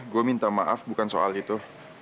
gue minta maaf bukan soal itu